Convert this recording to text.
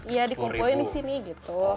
ya dikumpulin di sini gitu